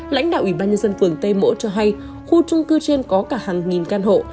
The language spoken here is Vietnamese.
lãnh đạo ủy ban nhân dân phường tây mỗ cho hay khu trung cư trên có cả hàng nghìn căn hộ